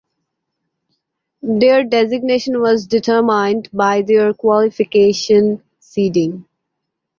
Their designation was determined by their qualification seeding.